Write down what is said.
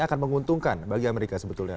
akan menguntungkan bagi amerika sebetulnya